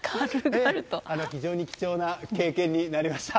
非常に貴重な経験になりました。